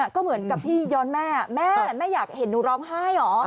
ก็เหมือนกับที่ย้อนแม่แม่อยากเห็นหนูร้องไห้เหรอ